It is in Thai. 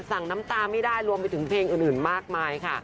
น้ำตาไม่ได้รวมไปถึงเพลงอื่นมากมายค่ะ